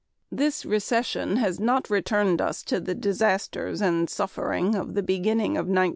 This recession has not returned us the disasters and suffering of the beginning of 1933.